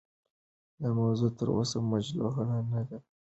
دا موضوع تر اوسه مجهوله نه ده پاتې.